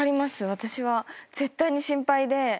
私は絶対に心配で。